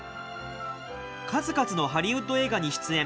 数々のハリウッド映画に出演。